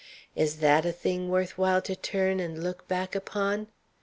Is that a thing worth while to turn and look back upon?